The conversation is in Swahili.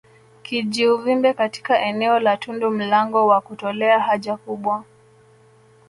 Kijiuvimbe katika eneo la tundu mlango wa kutolea haja kubwa